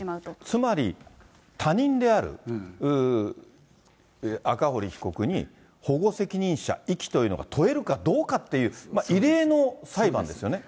つまり他人である赤堀被告に、保護責任者遺棄というのが問えるかどうかっていう、異例の裁判ですよね。